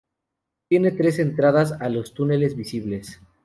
Tiene tres entradas a los túneles visibles.